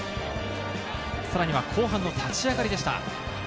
さらに後半の立ち上がりでした。